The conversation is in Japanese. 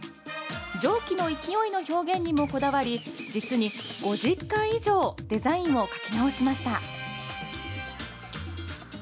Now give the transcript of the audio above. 蒸気の勢いの表現にもこだわり実に５０回以上デザインを描き直しました。